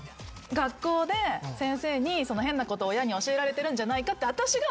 学校で先生に変なこと親に教えられてるんじゃないかって私が怒られんの。